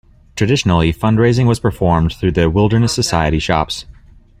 Traditionally fundraising was performed through The Wilderness Society Shops.